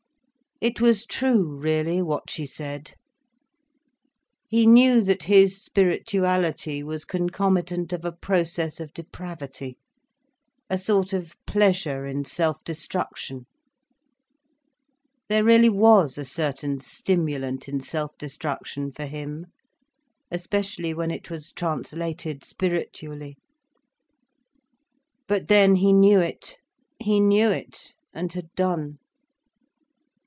It was true, really, what she said. He knew that his spirituality was concomitant of a process of depravity, a sort of pleasure in self destruction. There really was a certain stimulant in self destruction, for him—especially when it was translated spiritually. But then he knew it—he knew it, and had done.